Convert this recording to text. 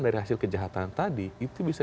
dari hasil kejahatan tadi itu bisa